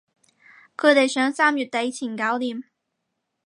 佢哋想三月底前搞掂